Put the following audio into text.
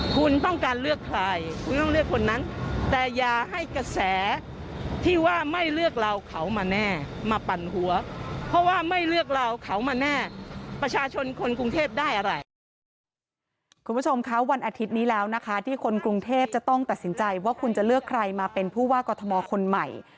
คุณผู้ชมคะวันอาทิตย์นี้แล้วนะคะที่คนกรุงเทพจะต้องตัดสินใจว่าคุณจะเลือกใครมาเป็นผู้ว่ากอทมคนใหม่